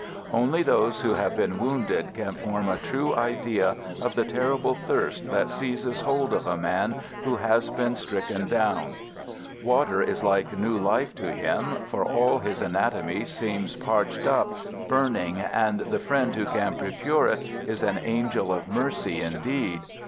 Only those who have been wounded can form a true idea of the terrible thirst that seizes hold of a man who has been stricken down; water is like new life to him, for all his anatomy seems parched up, burning, and the friend who can procure it is an angel of mercy indeed.